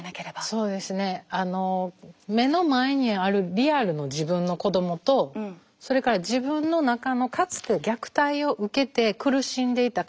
そうですねあの目の前にあるリアルの自分の子どもとそれから自分の中のかつて虐待を受けて苦しんでいた